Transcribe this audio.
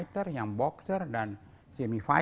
tahun dua ribu sembilan hingga tiga